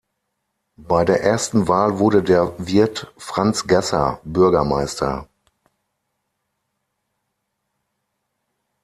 Bei der ersten Wahl wurde der Wirt Franz Gasser Bürgermeister.